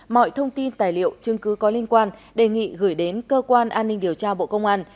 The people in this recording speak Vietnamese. mọi thông tin tài liệu chứng cứ có liên quan đề nghị gửi đến cơ quan an ninh điều tra bộ công an